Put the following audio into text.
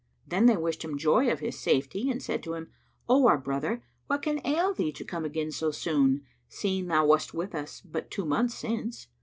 Then they wished him joy of his safety and said to him, "O our brother, what can ail thee to come again so soon, seeing thou wast with us but two months since?"